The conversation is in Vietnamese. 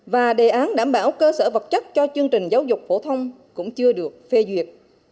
và đề án đảm bảo cơ sở vật chất cho chương trình giáo dục phổ thông cũng chưa được phê duyệt